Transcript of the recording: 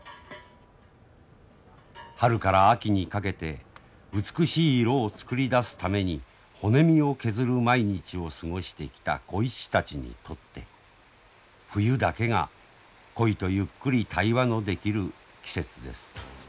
春から秋にかけて美しい色を作り出すために骨身を削る毎日を過ごしてきた鯉師たちにとって冬だけが鯉とゆっくり対話のできる季節です。